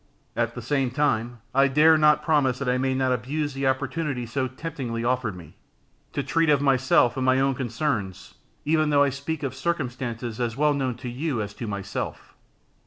At the same time, I dare not promise that I may not abuse the opportunity so temptingly offered me, to treat of myself and my own concerns, even though I speak of circumstances as well known to you as to myself.